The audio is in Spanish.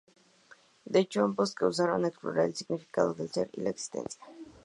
De hecho, ambos buscaron explorar el significado del ser y la existencia.